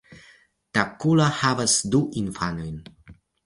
Takkula havas du infanojn.